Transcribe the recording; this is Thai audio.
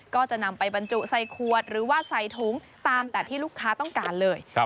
ก็จะนำไปบรรจุใส่ขวดหรือว่าใส่ถุงตามแต่ที่ลูกค้าต้องการเลย